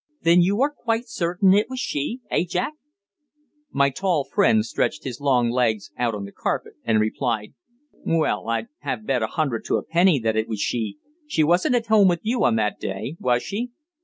"Then you are quite certain it was she eh, Jack?" My tall friend stretched his long legs out on the carpet, and replied "Well, I'd have bet a hundred to a penny that it was she. She wasn't at home with you on that day, was she?"